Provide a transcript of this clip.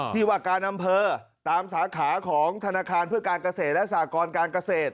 ที่ว่าการอำเภอตามสาขาของธนาคารเพื่อการเกษตรและสากรการเกษตร